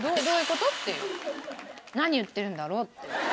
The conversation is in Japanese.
何言ってるんだろうって。